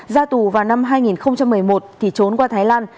ra tù vào năm hai nghìn một mươi một thì trốn qua thái lan